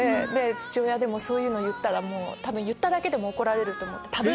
父親そういうの言ったら言っただけでも怒られると思って。